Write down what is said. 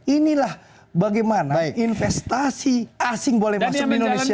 inilah bagaimana investasi asing boleh masuk indonesia